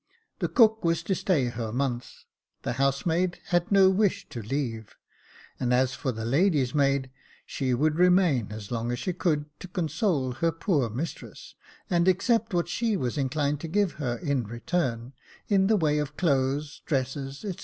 The cook was to stay her month ; the housemaid had no wish to leave ; and as for the lady's maid, she would remain as long as she could, to console her poor mistress, and accept what she was inclined to give her in return, in the way of clothes, dresses, &c.